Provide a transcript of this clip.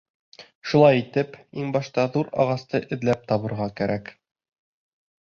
Шулай итеп, иң башта ҙур ағасты эҙләп табырға кәрәк.